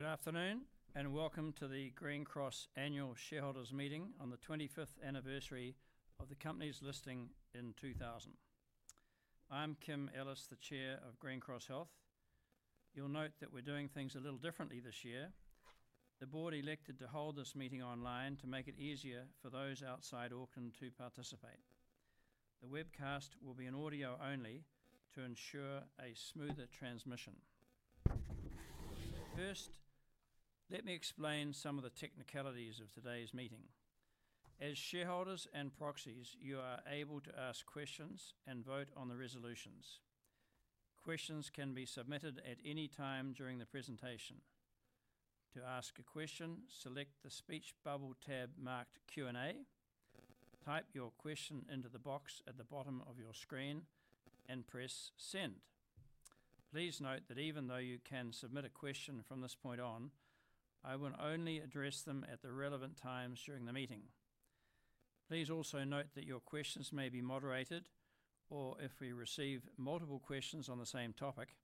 Good afternoon and welcome to the Green Cross annual shareholders' meeting on the 25th anniversary of the company's listing in 2000. I'm Kim Ellis, the Chair of Green Cross Health. You'll note that we're doing things a little differently this year. The Board elected to hold this meeting online to make it easier for those outside Auckland to participate. The webcast will be in audio only to ensure a smoother transmission. First, let me explain some of the technicalities of today's meeting. As shareholders and proxies, you are able to ask questions and vote on the resolutions. Questions can be submitted at any time during the presentation. To ask a question, select the speech bubble tab marked "Q&A," type your question into the box at the bottom of your screen, and press "Send." Please note that even though you can submit a question from this point on, I will only address them at the relevant times during the meeting. Please also note that your questions may be moderated, or if we receive multiple questions on the same topic,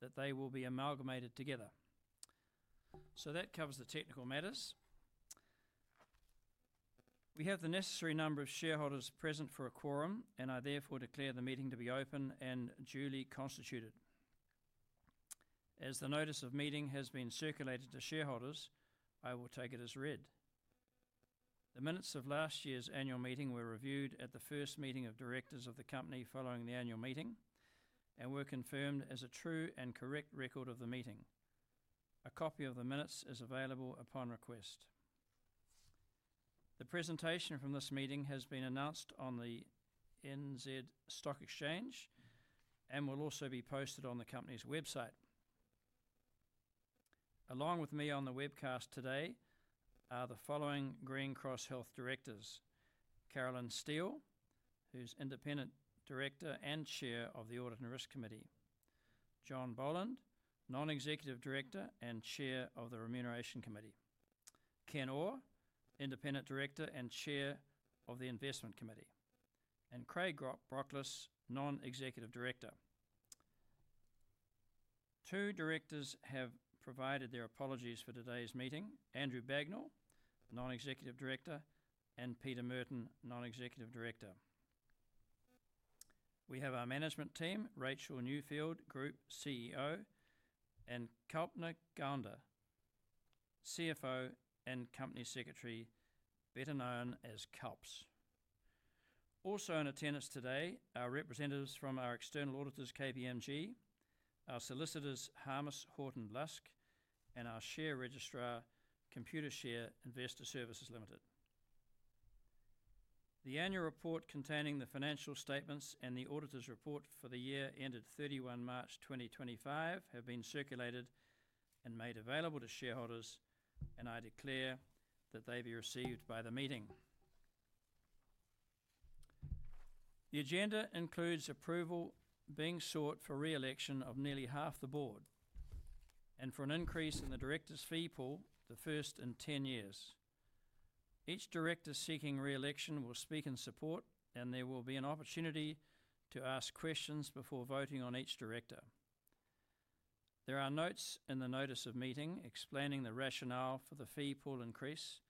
that they will be amalgamated together. That covers the technical matters. We have the necessary number of shareholders present for a quorum, and I therefore declare the meeting to be open and duly constituted. As the notice of meeting has been circulated to shareholders, I will take it as read. The minutes of last year's annual meeting were reviewed at the first meeting of Directors of the company following the annual meeting and were confirmed as a true and correct record of the meeting. A copy of the minutes is available upon request. The presentation from this meeting has been announced on the NZ Stock Exchange and will also be posted on the company's website. Along with me on the webcast today are the following Green Cross Health Directors: Caroline Steele, who's Independent Director and Chair of the Audit and Risk Committee; John Bolland, Non-Executive Director and Chair of the Remuneration Committee; Ken Orr, Independent Director and Chair of the Investment Committee; and Craig Brockles, Non-Executive Director. Two Directors have provided their apologies for today's meeting: Andrew Bagnell, Non-Executive Director, and Peter Merton, Non-Executive Director. We have our management team, Rachel Newfield, Group CEO, and Kalpna Gandha, CFO and Company Secretary, better known as Kalps. Also in attendance today are representatives from our external auditors, KPMG, our solicitors, Harmes Horton Lusk, and our share registrar, Computershare Investor Services Ltd. The annual report containing the financial statements and the auditor's report for the year ended 31 March 2025 have been circulated and made available to shareholders, and I declare that they be received by the meeting. The agenda includes approval being sought for re-election of nearly half the board and for an increase in the directors' fee pool, the first in 10 years. Each director seeking re-election will speak in support, and there will be an opportunity to ask questions before voting on each director. There are notes in the notice of meeting explaining the rationale for the fee pool increase,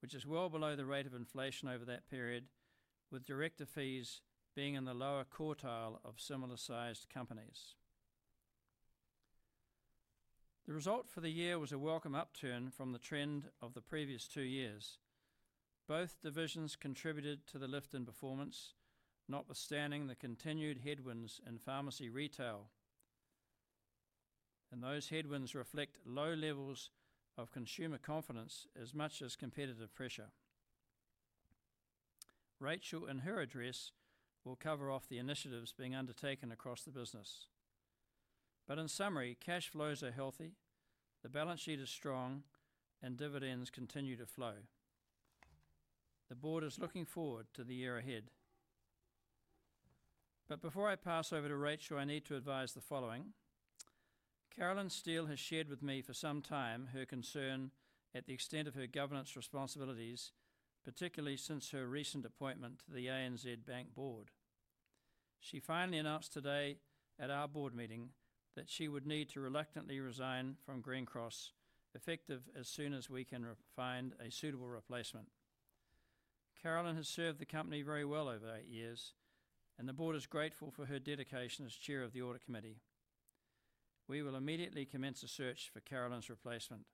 which is well below the rate of inflation over that period, with director fees being in the lower quartile of similar-sized companies. The result for the year was a welcome upturn from the trend of the previous two years. Both divisions contributed to the lift in performance, notwithstanding the continued headwinds in pharmacy retail. Those headwinds reflect low levels of consumer confidence as much as competitive pressure. Rachel, in her address, will cover off the initiatives being undertaken across the business. In summary, cash flows are healthy, the balance sheet is strong, and dividends continue to flow. The board is looking forward to the year ahead. Before I pass over to Rachel, I need to advise the following. Caroline Steele has shared with me for some time her concern at the extent of her governance responsibilities, particularly since her recent appointment to the ANZ Bank board. She finally announced today at our board meeting that she would need to reluctantly resign from Green Cross effective as soon as we can find a suitable replacement. Caroline has served the company very well over eight years, and the board is grateful for her dedication as Chair of the Audit and Risk Committee. We will immediately commence a search for Caroline's replacement.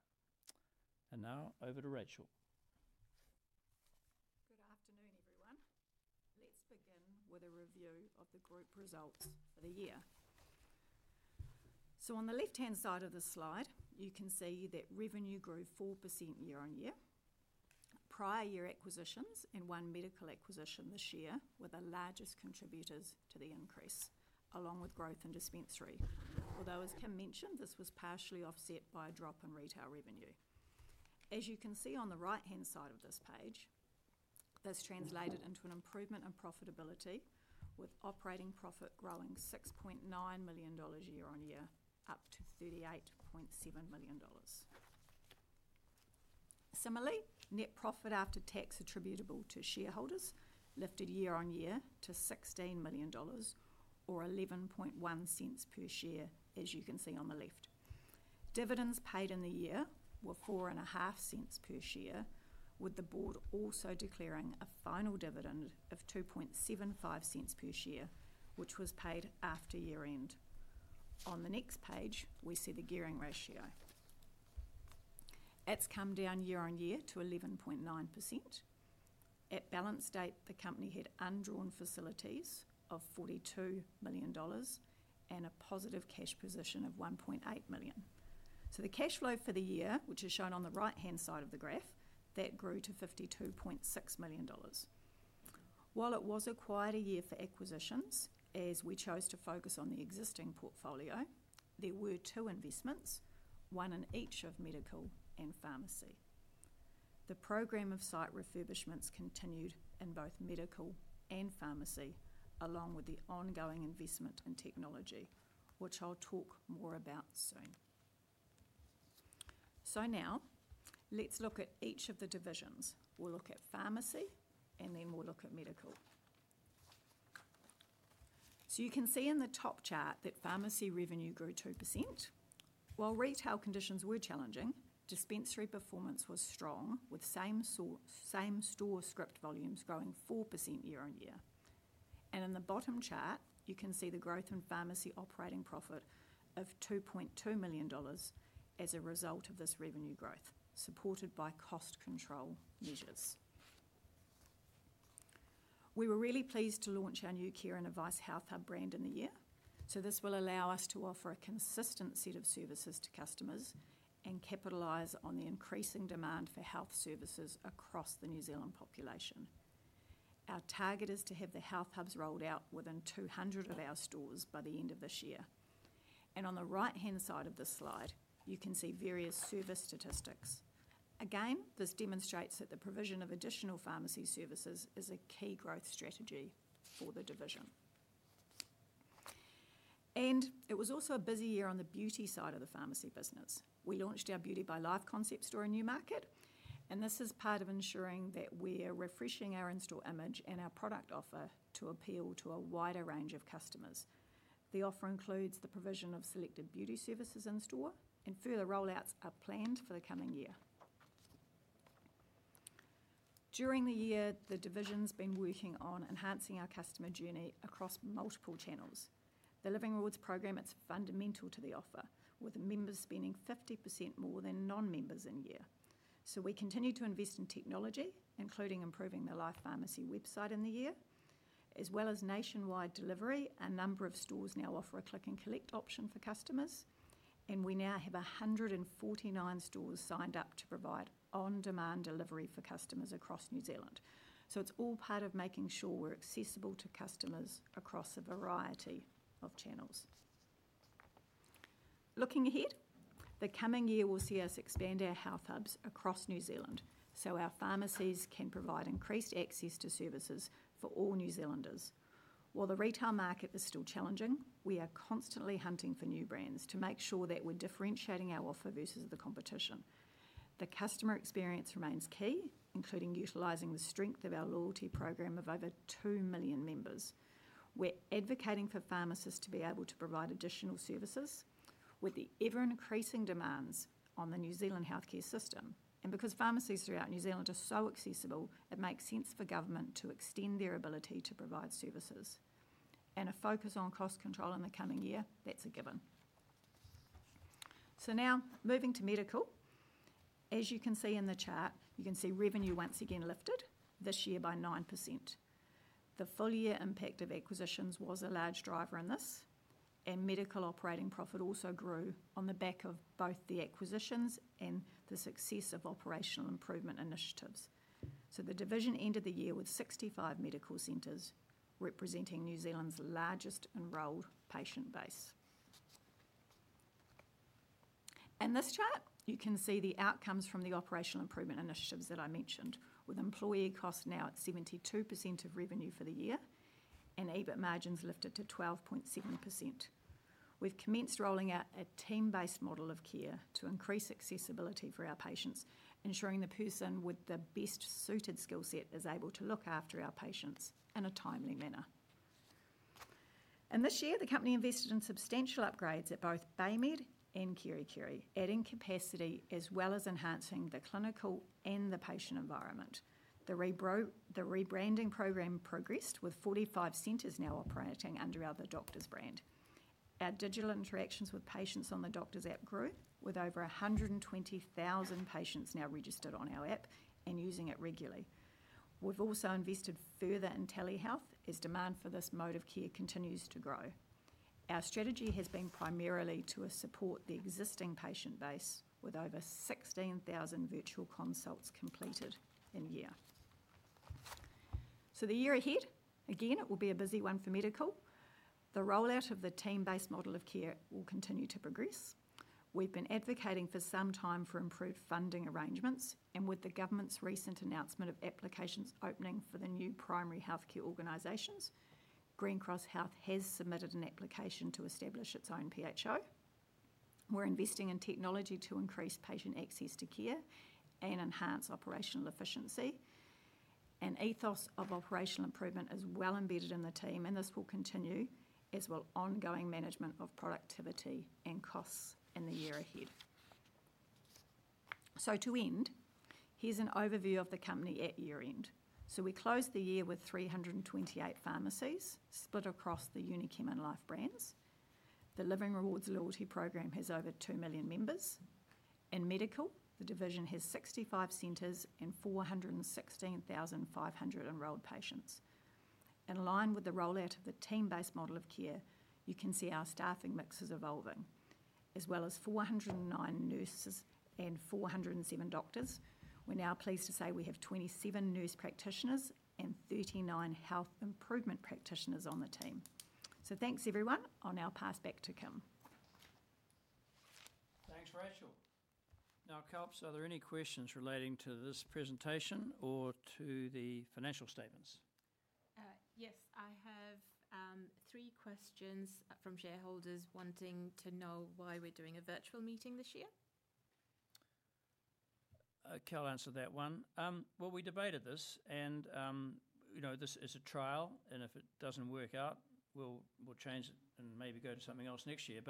Now, over to Rachel. Good afternoon, everyone. Let's begin with a review of the group results for the year. On the left-hand side of the slide, you can see that revenue grew 4% year-on-year. Prior year acquisitions and one medical acquisition this year were the largest contributors to the increase, along with growth in dispensary. Although, as Kim mentioned, this was partially offset by a drop in retail revenue. As you can see on the right-hand side of this page, this translated into an improvement in profitability, with operating profit growing 6.9 million dollars year-on-year, up to 38.7 million dollars. Similarly, net profit after tax attributable to shareholders lifted year-on-year to 16 million dollars, or 0.111 per share, as you can see on the left. Dividends paid in the year were 0.045 per share, with the board also declaring a final dividend of 0.0275 per share, which was paid after year-end. On the next page, we see the gearing ratio. It's come down year-on-year to 11.9%. At balance date, the company had undrawn facilities of 42 million dollars and a positive cash position of 1.8 million. The cash flow for the year, which is shown on the right-hand side of the graph, grew to 52.6 million dollars. While it was a quieter year for acquisitions, as we chose to focus on the existing portfolio, there were two investments, one in each of medical and pharmacy. The program of site refurbishments continued in both medical and pharmacy, along with the ongoing investment in technology, which I'll talk more about soon. Now, let's look at each of the divisions. We'll look at pharmacy, and then we'll look at medical. You can see in the top chart that pharmacy revenue grew 2%. While retail conditions were challenging, dispensary performance was strong, with same-store script volumes growing 4% year-on-year. In the bottom chart, you can see the growth in pharmacy operating profit of 2.2 million dollars as a result of this revenue growth, supported by cost control measures. We were really pleased to launch our new Care and Advice Health Hubs brand in the year. This will allow us to offer a consistent set of services to customers and capitalize on the increasing demand for health services across the New Zealand population. Our target is to have the health hubs rolled out within 200 of our stores by the end of this year. On the right-hand side of this slide, you can see various service statistics. Again, this demonstrates that the provision of additional pharmacy services is a key growth strategy for the division. It was also a busy year on the beauty side of the pharmacy business. We launched our Beauty by Life concept store in Newmarket, and this is part of ensuring that we're refreshing our in-store image and our product offer to appeal to a wider range of customers. The offer includes the provision of selected beauty services in store, and further rollouts are planned for the coming year. During the year, the division's been working on enhancing our customer journey across multiple channels. The Living Rewards program, it's fundamental to the offer, with members spending 50% more than non-members in a year. We continue to invest in technology, including improving the Life Pharmacy website in the year, as well as nationwide delivery. A number of stores now offer a click-and-collect option for customers, and we now have 149 stores signed up to provide on-demand delivery for customers across New Zealand. It's all part of making sure we're accessible to customers across a variety of channels. Looking ahead, the coming year will see us expand our health hubs across New Zealand so our pharmacies can provide increased access to services for all New Zealanders. While the retail market is still challenging, we are constantly hunting for new brands to make sure that we're differentiating our offer versus the competition. The customer experience remains key, including utilizing the strength of our loyalty program of over 2 million members. We're advocating for pharmacists to be able to provide additional services with the ever-increasing demands on the New Zealand healthcare system. Because pharmacies throughout New Zealand are so accessible, it makes sense for government to extend their ability to provide services. A focus on cost control in the coming year, that's a given. Now, moving to medical, as you can see in the chart, you can see revenue once again lifted this year by 9%. The full-year impact of acquisitions was a large driver in this, and medical operating profit also grew on the back of both the acquisitions and the success of operational improvement initiatives. The division ended the year with 65 medical centers, representing New Zealand's largest enrolled patient base. In this chart, you can see the outcomes from the operational improvement initiatives that I mentioned, with employee costs now at 72% of revenue for the year and EBIT margins lifted to 12.7%. We've commenced rolling out a team-based care model to increase accessibility for our patients, ensuring the person with the best suited skill set is able to look after our patients in a timely manner. This year, the company invested in substantial upgrades at both BayMed and Kerikeri, adding capacity as well as enhancing the clinical and the patient environment. The rebranding program progressed, with 45 centers now operating under our The Doctors brand. Our digital interactions with patients on The Doctors app grew, with over 120,000 patients now registered on our app and using it regularly. We've also invested further in telehealth as demand for this mode of care continues to grow. Our strategy has been primarily to support the existing patient base, with over 16,000 virtual consults completed in a year. The year ahead, again, it will be a busy one for medical. The rollout of the team-based care model will continue to progress. We've been advocating for some time for improved funding arrangements, and with the government's recent announcement of applications opening for the new Primary Health Organizations, Green Cross Health has submitted an application to establish its own PHO. We're investing in technology to increase patient access to care and enhance operational efficiency. An ethos of operational improvement is well embedded in the team, and this will continue as well as ongoing management of productivity and costs in the year ahead. To end, here's an overview of the company at year end. We closed the year with 328 pharmacies split across the Unichem and Life Pharmacy brands. The Living Rewards loyalty program has over 2 million members. In medical, the division has 65 centers and 416,500 enrolled patients. In line with the rollout of the team-based care model, you can see our staffing mix is evolving. As well as 409 nurses and 407 doctors, we're now pleased to say we have 27 nurse practitioners and 39 health improvement practitioners on the team. Thanks everyone, and I'll pass back to Kim. Thanks, Rachel. Now, Kalps, are there any questions relating to this presentation or to the financial statements? Yes, I have three questions from shareholders wanting to know why we're doing a virtual meeting this year. I can't answer that one. We debated this, and you know this is a trial. If it doesn't work out, we'll change it and maybe go to something else next year.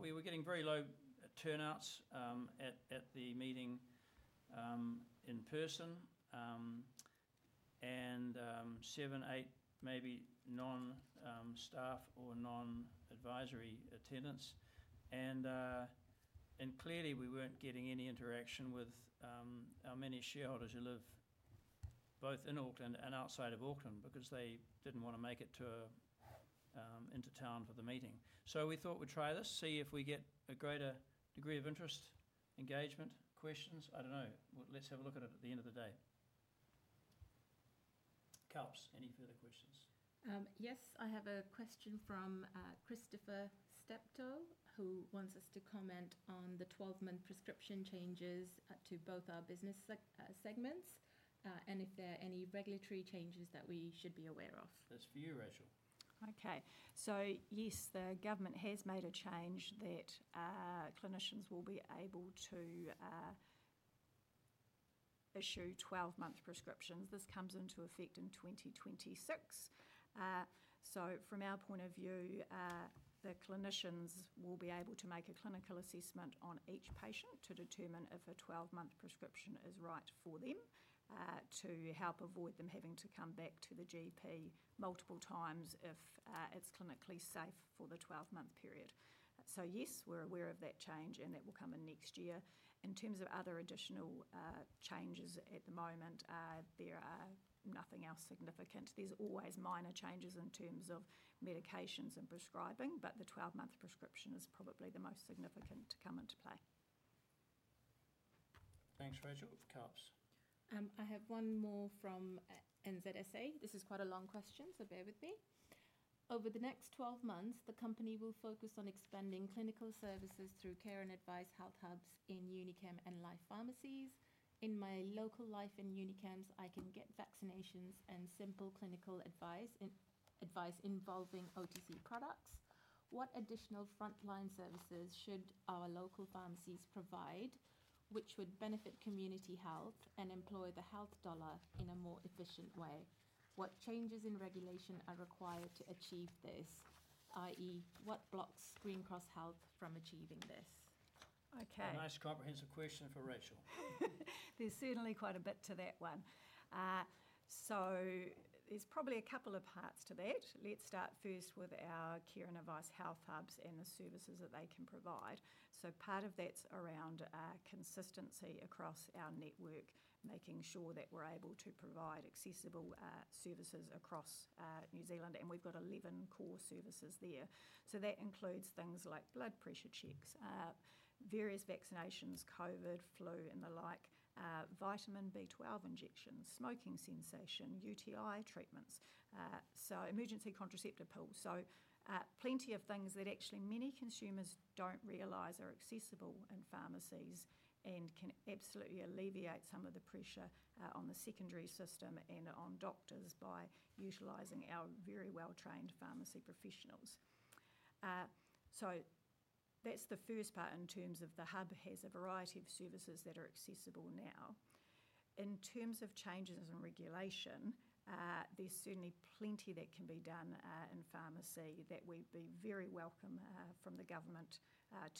We were getting very low turnouts at the meeting in person, and seven, eight, maybe non-staff or non-advisory attendance. Clearly, we weren't getting any interaction with our many shareholders who live both in Auckland and outside of Auckland because they didn't want to make it into town for the meeting. We thought we'd try this, see if we get a greater degree of interest, engagement, questions. I don't know. Let's have a look at it at the end of the day. Kalps, any further questions? Yes, I have a question from Christopher Stepto, who wants us to comment on the 12-month prescription changes to both our business segments and if there are any regulatory changes that we should be aware of. That's for you, Rachel. Okay, yes, the government has made a change that clinicians will be able to issue 12-month prescriptions. This comes into effect in 2026. From our point of view, the clinicians will be able to make a clinical assessment on each patient to determine if a 12-month prescription is right for them to help avoid them having to come back to the GP multiple times if it's clinically safe for the 12-month period. Yes, we're aware of that change, and it will come in next year. In terms of other additional changes at the moment, there is nothing else significant. There are always minor changes in terms of medications and prescribing, but the 12-month prescription is probably the most significant to come into play. Thanks, Rachel. Kalps? I have one more from NZSA. This is quite a long question, so bear with me. Over the next 12 months, the company will focus on expanding clinical services through Care and Advice Health Hubs in Unichem and Life Pharmacy locations. In my local Life Pharmacy and Unichem, I can get vaccinations and simple clinical advice involving OTC products. What additional frontline services should our local pharmacies provide, which would benefit community health and employ the health dollar in a more efficient way? What changes in regulation are required to achieve this? I.e., what blocks Green Cross Health from achieving this? Okay, nice comprehensive question for Rachel. There's certainly quite a bit to that one. There's probably a couple of parts to that. Let's start first with our Care and Advice Health Hubs and the services that they can provide. Part of that's around consistency across our network, making sure that we're able to provide accessible services across New Zealand, and we've got 11 core services there. That includes things like blood pressure checks, various vaccinations, COVID, flu, and the like, vitamin B12 injections, smoking cessation, UTI treatments, and emergency contraceptive pills. There are plenty of things that actually many consumers don't realize are accessible in pharmacies and can absolutely alleviate some of the pressure on the secondary system and on doctors by utilizing our very well-trained pharmacy professionals. That's the first part in terms of the hub having a variety of services that are accessible now. In terms of changes in regulation, there's certainly plenty that can be done in pharmacy that we'd be very welcome from the government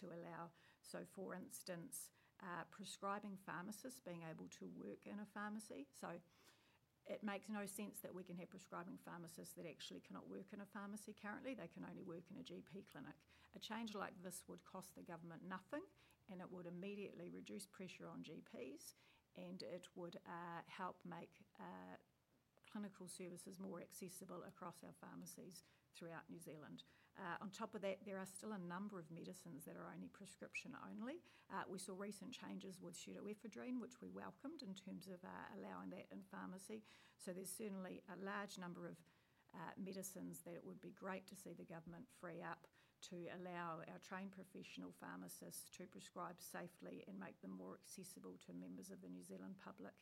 to allow. For instance, prescribing pharmacists being able to work in a pharmacy. It makes no sense that we can have prescribing pharmacists that actually cannot work in a pharmacy currently; they can only work in a GP clinic. A change like this would cost the government nothing, and it would immediately reduce pressure on GPs, and it would help make clinical services more accessible across our pharmacies throughout New Zealand. On top of that, there are still a number of medicines that are only prescription only. We saw recent changes with pseudoephedrine, which we welcomed in terms of allowing that in pharmacy. There's certainly a large number of medicines that it would be great to see the government free up to allow our trained professional pharmacists to prescribe safely and make them more accessible to members of the New Zealand public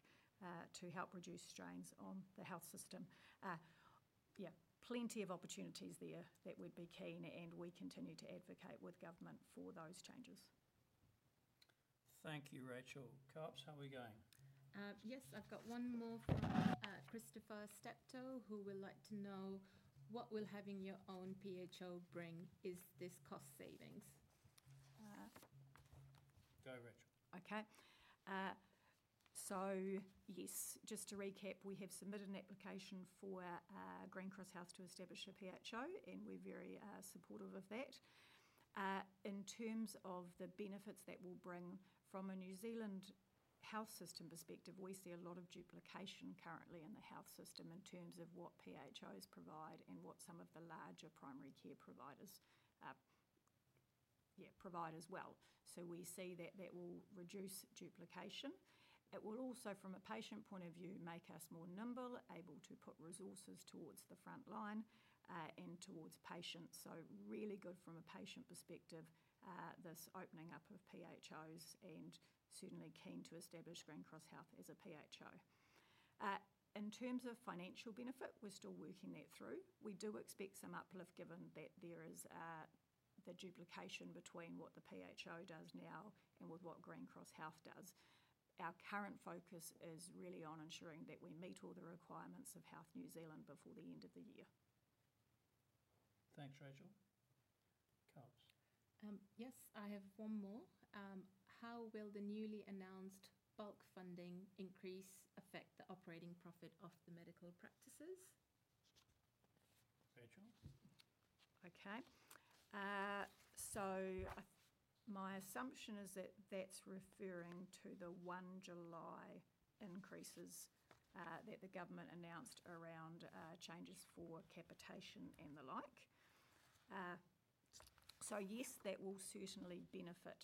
to help reduce strains on the health system. There are plenty of opportunities there that we'd be keen, and we continue to advocate with government for those changes. Thank you, Rachel. Kalps, how are we going? Yes, I've got one more from Christopher Stepto, who would like to know what will having your own PHO bring? Is this cost savings? Go Rachel. Okay. Yes, just to recap, we have submitted an application for Green Cross Health to establish a PHO, and we're very supportive of that. In terms of the benefits that will bring from a New Zealand health system perspective, we see a lot of duplication currently in the health system in terms of what PHOs provide and what some of the larger primary care providers provide as well. We see that that will reduce duplication. It will also, from a patient point of view, make us more nimble, able to put resources towards the frontline and towards patients. Really good from a patient perspective, this opening up of PHOs, and certainly keen to establish Green Cross Health as a PHO. In terms of financial benefit, we're still working that through. We do expect some uplift given that there is the duplication between what the PHO does now and with what Green Cross Health does. Our current focus is really on ensuring that we meet all the requirements of Health New Zealand before the end of the year. Thanks, Rachel. Kalps? Yes, I have one more. How will the newly announced bulk funding increase affect the operating profit of the medical practices? Rachel? Okay. My assumption is that that's referring to the 1 July increases that the government announced around changes for capitation and the like. Yes, that will certainly benefit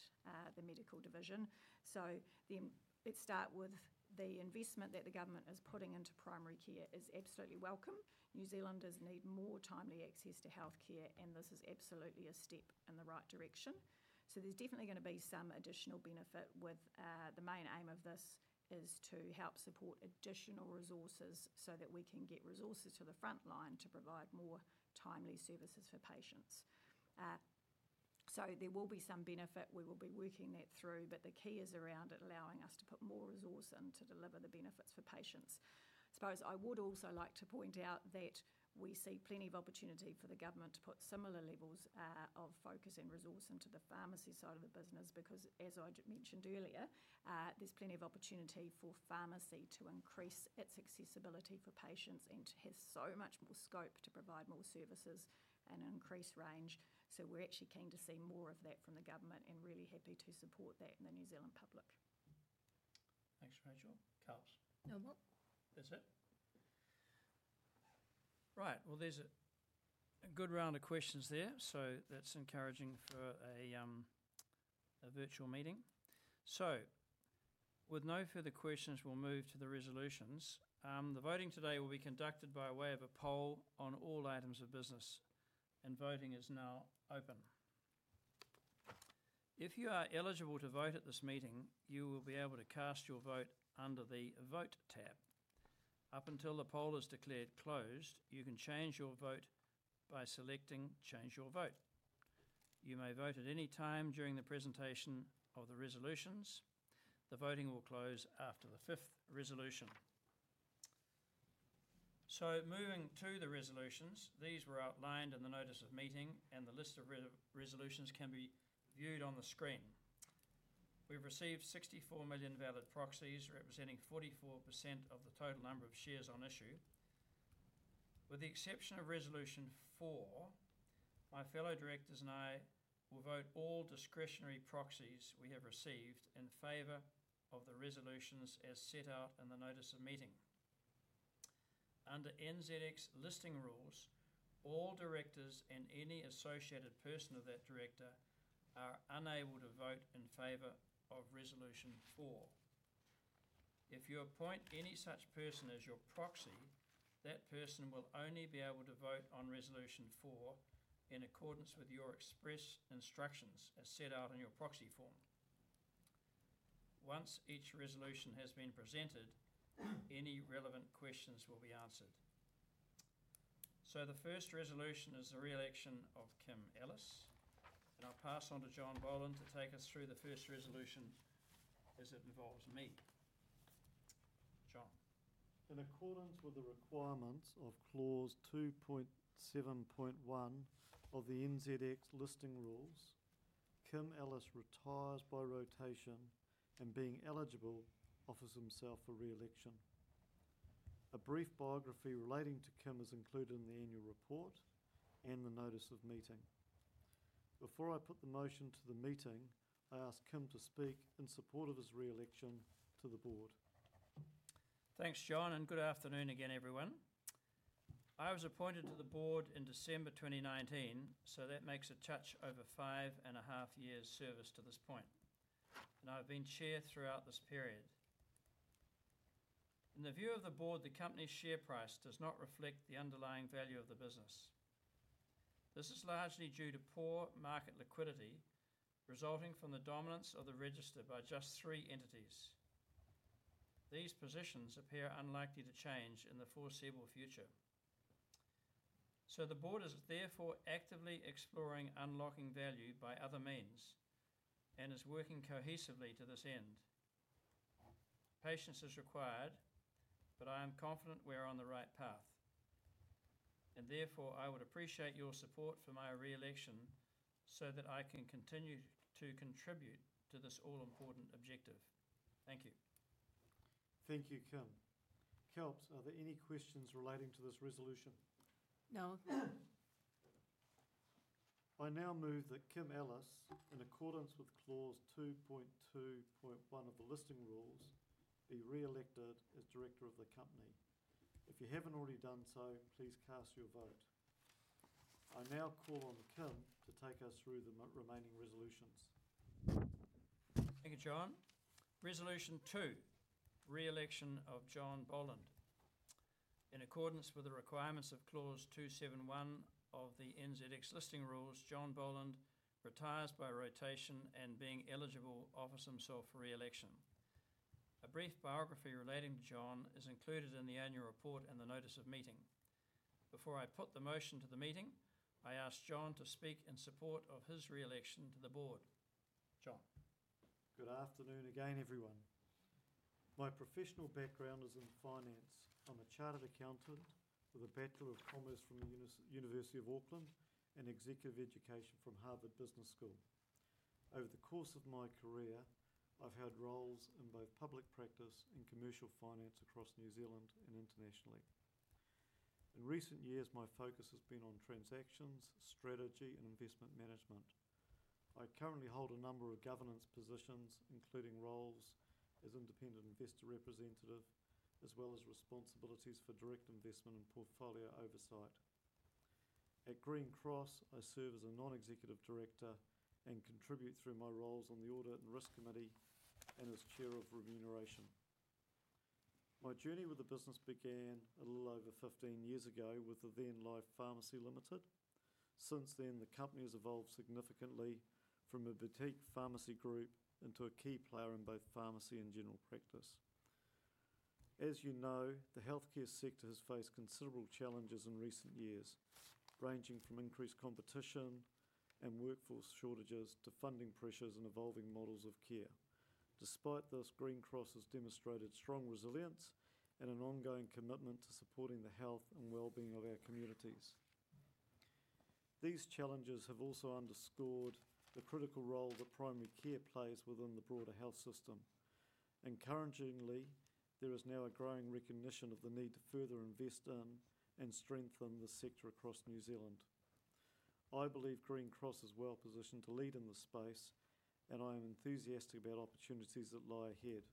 the Medical division. Let's start with the investment that the government is putting into primary care, which is absolutely welcome. New Zealanders need more timely access to healthcare, and this is absolutely a step in the right direction. There's definitely going to be some additional benefit, with the main aim of this being to help support additional resources so that we can get resources to the frontline to provide more timely services for patients. There will be some benefit. We will be working that through, but the key is around it allowing us to put more resource in to deliver the benefits for patients. I would also like to point out that we see plenty of opportunity for the government to put similar levels of focus and resource into the pharmacy side of the business because, as I mentioned earlier, there's plenty of opportunity for pharmacy to increase its accessibility for patients and to have so much more scope to provide more services and an increased range. We're actually keen to see more of that from the government and really happy to support that in the New Zealand public. Thanks, Rachel. Kalps? No more. That's it. Right, there's a good round of questions there, so that's encouraging for a virtual meeting. With no further questions, we'll move to the resolutions. The voting today will be conducted by way of a poll on all items of business, and voting is now open. If you are eligible to vote at this meeting, you will be able to cast your vote under the Vote tab. Up until the poll is declared closed, you can change your vote by selecting Change Your Vote. You may vote at any time during the presentation of the resolutions. The voting will close after the fifth resolution. Moving to the resolutions, these were outlined in the notice of meeting, and the list of resolutions can be viewed on the screen. We've received 64 million valid proxies, representing 44% of the total number of shares on issue. With the exception of Resolution 4, my fellow directors and I will vote all discretionary proxies we have received in favor of the resolutions as set out in the notice of meeting. Under NZX listing rules, all directors and any associated person of that director are unable to vote in favor of Resolution 4. If you appoint any such person as your proxy, that person will only be able to vote on Resolution 4 in accordance with your express instructions as set out in your proxy form. Once each resolution has been presented, any relevant questions will be answered. The first resolution is the reelection of Kim Ellis, and I'll pass on to John Bolland to take us through the first resolution as it involves me. John. In accordance with the requirements of clause 2.7.1 of the NZX listing rules, Kim Ellis retires by rotation and, being eligible, offers himself for reelection. A brief biography relating to Kim is included in the annual report and the notice of meeting. Before I put the motion to the meeting, I ask Kim to speak in support of his reelection to the board. Thanks, John, and good afternoon again, everyone. I was appointed to the board in December 2019, so that makes a touch over five and a half years' service to this point, and I've been Chair throughout this period. In the view of the board, the company's share price does not reflect the underlying value of the business. This is largely due to poor market liquidity resulting from the dominance of the register by just three entities. These positions appear unlikely to change in the foreseeable future. The board is therefore actively exploring unlocking value by other means and is working cohesively to this end. Patience is required, but I am confident we are on the right path. I would appreciate your support for my reelection so that I can continue to contribute to this all-important objective. Thank you. Thank you, Kim. Kalps, are there any questions relating to this resolution? No. I now move that Kim Ellis, in accordance with clause 2.2.1 of the listing rules, be reelected as Director of the company. If you haven't already done so, please cast your vote. I now call on Kim to take us through the remaining resolutions. Thank you, John. Resolution 2, reelection of John Bolland. In accordance with the requirements of clause 2.7.1 of the NZX listing rules, John Bolland retires by rotation and, being eligible, offers himself for reelection. A brief biography relating to John is included in the annual report and the notice of meeting. Before I put the motion to the meeting, I ask John to speak in support of his reelection to the board. John. Good afternoon again, everyone. My professional background is in finance. I'm a Chartered Accountant with a Bachelor of Commerce from the University of Auckland and Executive Education from Harvard Business School. Over the course of my career, I've had roles in both public practice and commercial finance across New Zealand and internationally. In recent years, my focus has been on transactions, strategy, and investment management. I currently hold a number of governance positions, including roles as an independent investor representative, as well as responsibilities for direct investment and portfolio oversight. At Green Cross, I serve as a Non-Executive Director and contribute through my roles on the Audit and Risk Committee and as Chair of Remuneration. My journey with the business began a little over 15 years ago with the then Life Pharmacy Limited. Since then, the company has evolved significantly from a boutique pharmacy group into a key player in both pharmacy and general practice. As you know, the healthcare sector has faced considerable challenges in recent years, ranging from increased competition and workforce shortages to funding pressures and evolving models of care. Despite this, Green Cross Health has demonstrated strong resilience and an ongoing commitment to supporting the health and wellbeing of our communities. These challenges have also underscored the critical role that primary care plays within the broader health system. Encouragingly, there is now a growing recognition of the need to further invest in and strengthen the sector across New Zealand. I believe Green Cross Health is well positioned to lead in this space, and I am enthusiastic about opportunities that lie ahead.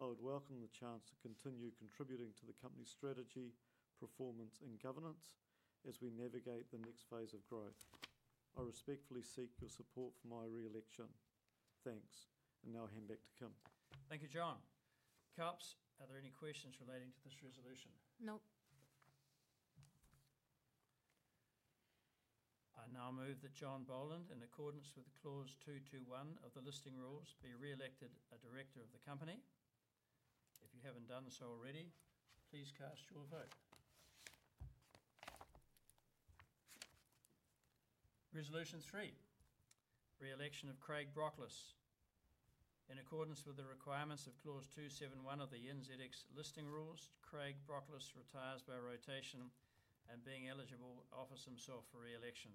I would welcome the chance to continue contributing to the company's strategy, performance, and governance as we navigate the next phase of growth. I respectfully seek your support for my reelection. Thanks, and now hand back to Kim. Thank you, John. Kalps, are there any questions relating to this resolution? No. I now move that John Bolland, in accordance with clause 2.2.1 of the listing rules, be reelected as Director of the company. If you haven't done so already, please cast your vote. Resolution 3, reelection of Craig Brockles. In accordance with the requirements of clause 2.7.1 of the NZX listing rules, Craig Brockles retires by rotation and, being eligible, offers himself for reelection.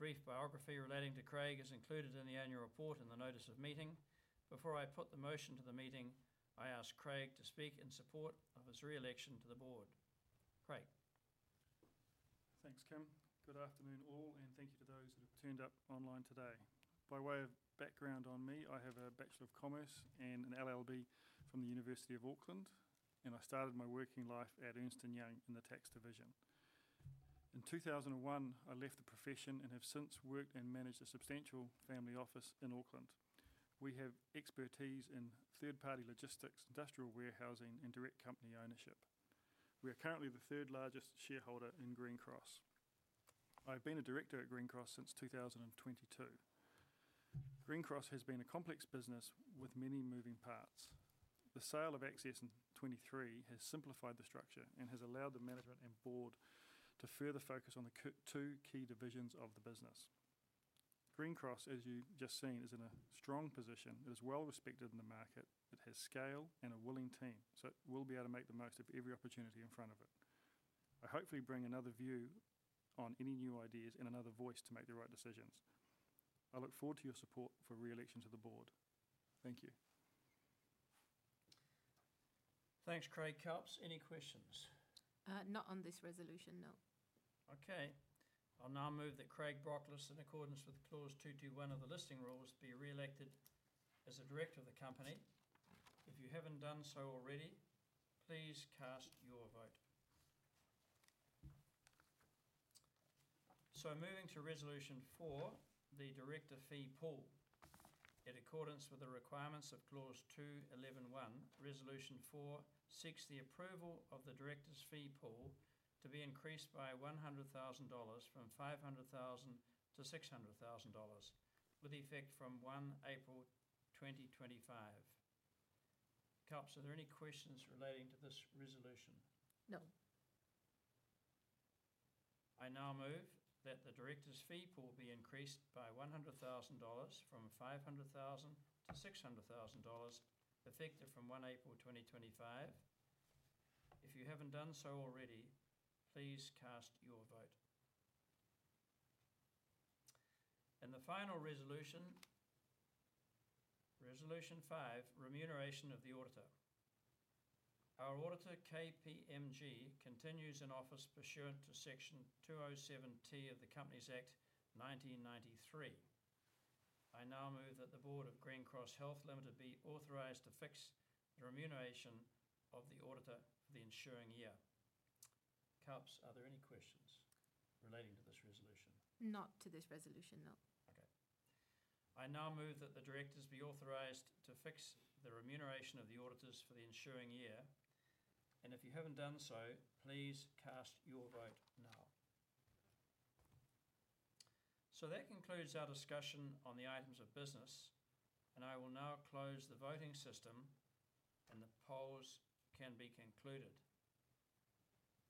A brief biography relating to Craig is included in the annual report and the notice of meeting. Before I put the motion to the meeting, I ask Craig to speak in support of his reelection to the board. Craig. Thanks, Kim. Good afternoon all, and thank you to those who have turned up online today. By way of background on me, I have a Bachelor of Commerce and an LLB from the University of Auckland, and I started my working life at Ernst & Young in the Tax Division. In 2001, I left the profession and have since worked and managed a substantial family office in Auckland. We have expertise in third-party logistics, industrial warehousing, and direct company ownership. We are currently the third largest shareholder in Green Cross Health. I've been a director at Green Cross since 2022. Green Cross has been a complex business with many moving parts. The sale of AXIS in 2023 has simplified the structure and has allowed the management and board to further focus on the two key divisions of the business. Green Cross, as you've just seen, is in a strong position. It is well respected in the market. It has scale and a willing team, so it will be able to make the most of every opportunity in front of it. I hopefully bring another view on any new ideas and another voice to make the right decisions. I look forward to your support for reelection to the board. Thank you. Thanks, Craig. Kalps, any questions? Not on this resolution, no. Okay. I'll now move that Craig Brockles, in accordance with clause 2.2.1 of the listing rules, be reelected as a director of the company. If you haven't done so already, please cast your vote. Moving to Resolution 4, the directors’ fee pool. In accordance with the requirements of clause 2.11.1, Resolution 4 seeks the approval of the directors’ fee pool to be increased by $100,000 from $500,000 to $600,000, with effect from 1 April 2025. Kalps, are there any questions relating to this resolution? No. I now move that the directors’ fee pool be increased by $100,000 from $500,000 to $600,000, effective from 1 April 2025. If you haven't done so already, please cast your vote. The final resolution, Resolution 5, remuneration of the auditor. Our auditor, KPMG, continues in office pursuant to Section 207(t) of the Companies Act 1993. I now move that the board of Green Cross Health be authorized to fix the remuneration of the auditor for the ensuing year. Kalps, are there any questions relating to this resolution? Not to this resolution, no. Okay. I now move that the directors be authorized to fix the remuneration of the auditors for the ensuing year. If you haven't done so, please cast your vote now. That concludes our discussion on the items of business. I will now close the voting system, and the polls can be concluded.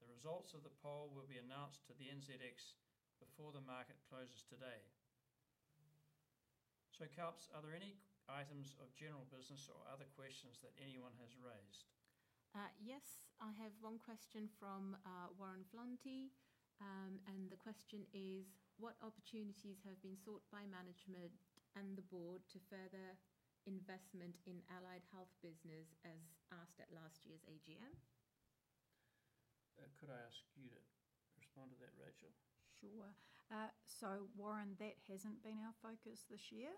The results of the poll will be announced to the NZX before the market closes today. Kalps, are there any items of general business or other questions that anyone has raised? Yes, I have one question from Warren Flahunty, and the question is, what opportunities have been sought by management and the board to further investment in allied health business as asked at last year's AGM? Could I ask you to respond to that, Rachel? Sure. Warren, that hasn't been our focus this year.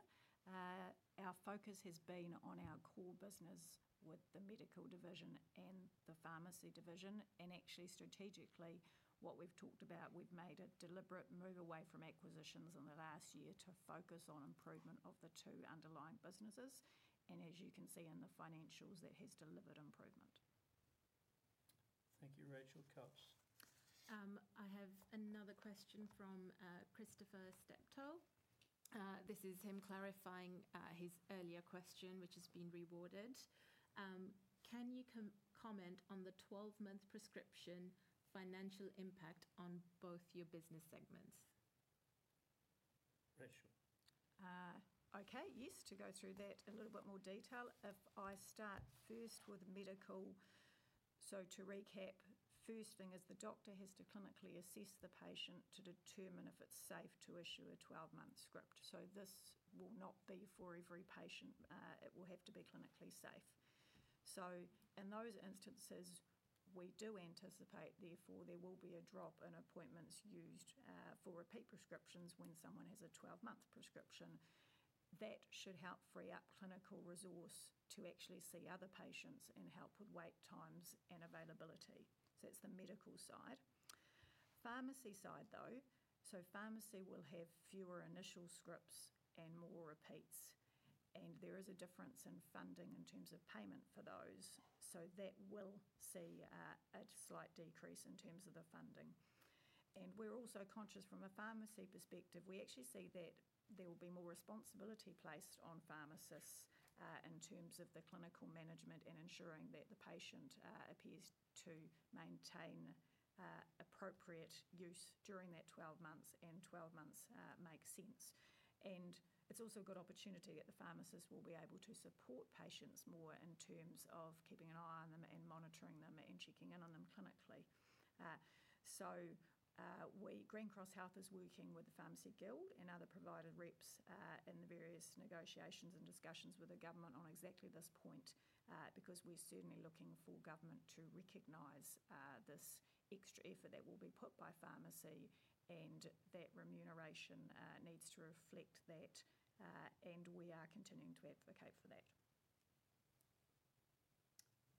Our focus has been on our core business with the Medical division and the Pharmacy division. Actually, strategically, what we've talked about, we've made a deliberate move away from acquisitions in the last year to focus on improvement of the two underlying businesses. As you can see in the financials, that has delivered improvement. Thank you, Rachel. Kalps? I have another question from Christopher Stepto. This is him clarifying his earlier question, which has been reworded. Can you comment on the 12-month prescription financial impact on both your business segments? Rachel. Okay, yes, to go through that in a little bit more detail. If I start first with medical, to recap, the first thing is the doctor has to clinically assess the patient to determine if it's safe to issue a 12-month script. This will not be for every patient. It will have to be clinically safe. In those instances, we do anticipate, therefore, there will be a drop in appointments used for repeat prescriptions when someone has a 12-month prescription. That should help free up clinical resource to actually see other patients and help with wait times and availability. That's the medical side. Pharmacy side, though, pharmacy will have fewer initial scripts and more repeats, and there is a difference in funding in terms of payment for those. That will see a slight decrease in terms of the funding. We're also conscious from a pharmacy perspective, we actually see that there will be more responsibility placed on pharmacists in terms of the clinical management and ensuring that the patient appears to maintain appropriate use during that 12 months, and 12 months makes sense. It's also a good opportunity that the pharmacists will be able to support patients more in terms of keeping an eye on them and monitoring them and checking in on them clinically. Green Cross Health is working with the Pharmacy Guild and other provider reps in the various negotiations and discussions with the government on exactly this point because we're certainly looking for government to recognize this extra effort that will be put by pharmacy, and that remuneration needs to reflect that, and we are continuing to advocate for that.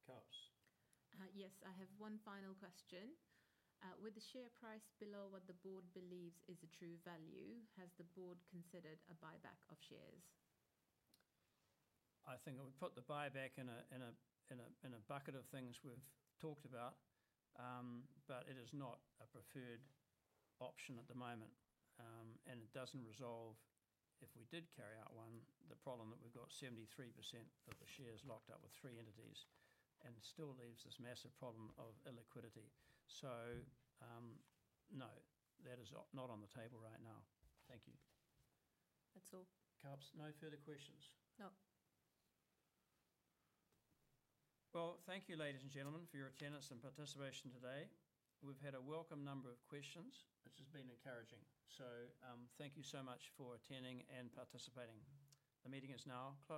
Kalps? Yes, I have one final question. With the share price below what the board believes is a true value, has the board considered a share buyback? I think it would put the buyback in a bucket of things we've talked about, but it is not a preferred option at the moment, and it doesn't resolve, if we did carry out one, the problem that we've got 73% of the shares locked up with three entities and still leaves this massive problem of illiquidity. No, that is not on the table right now. Thank you. That's all. Kalps, no further questions? No. Thank you, ladies and gentlemen, for your attendance and participation today. We've had a welcome number of questions. This has been encouraging. Thank you so much for attending and participating. The meeting is now closed.